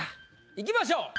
いきましょう。